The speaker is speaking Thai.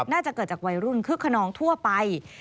น่าจะเกิดจากวัยรุ่นคึกขนองทั่วไป